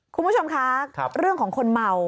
คุณผู้ชมคะเรื่องของคนเมา